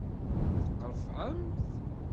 Teqqrefεemt.